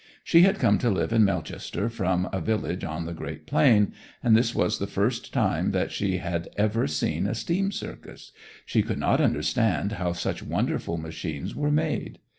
She had come to live in Melchester from a village on the Great Plain, and this was the first time that she had ever seen a steam circus; she could not understand how such wonderful machines were made.